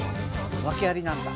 訳ありなんだ。